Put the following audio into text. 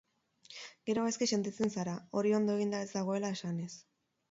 Gero gaizki sentitzen zara, hori ondo eginda ez dagoela esanez.